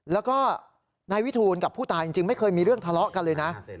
แล้วก็นายวิทูลกับผู้ตายจริงไม่เคยมีเรื่องทะเลาะกันเลยนะ